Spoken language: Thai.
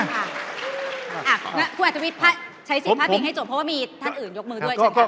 คุณอัตตาวิทย์ใช้สิทธิ์พัดเพียงให้จบเพราะว่ามีท่านอื่นยกมือด้วย